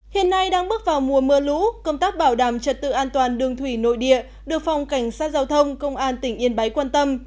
hiện nay đang bước vào mùa mưa lũ công tác bảo đảm trật tự an toàn đường thủy nội địa được phòng cảnh sát giao thông công an tỉnh yên bái quan tâm